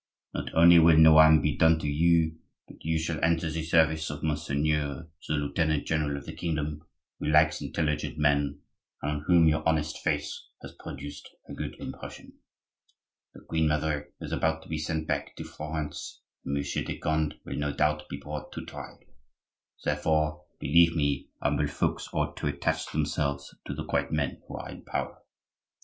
Not only will no harm be done to you, but you shall enter the service of Monseigneur the lieutenant general of the kingdom, who likes intelligent men and on whom your honest face has produced a good impression. The queen mother is about to be sent back to Florence, and Monsieur de Conde will no doubt be brought to trial. Therefore, believe me, humble folks ought to attach themselves to the great men who are in power.